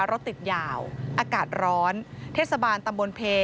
รถติดยาวอากาศร้อนเทศบาลตำบลเพ